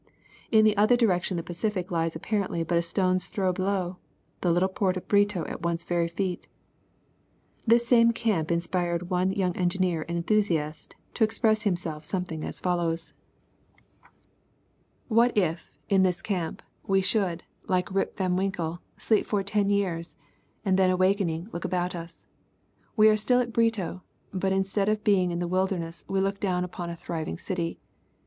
In the other direction the Pacific lies apparently but a stone's throw below, the little port of Brito at one's very feet. This same camp inspired one young engineer and enthusiast to express himself something as follows : Across Nicaragtia with, Transit and Machete. 835 " What if, in this camp, we should, like Rip Van Winkle, sleep for ten years, and then awakening look about us ? We are still at Brito, but instead of being in the wilderness, we look down upon a thriving city.